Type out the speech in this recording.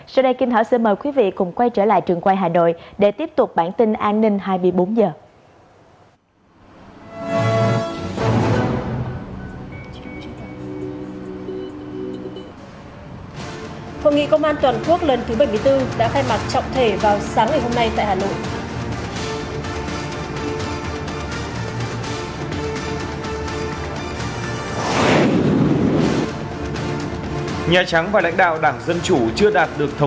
sau đây kim thảo sẽ mời quý vị cùng quay trở lại trường quay hà nội để tiếp tục bản tin an ninh hai mươi bốn h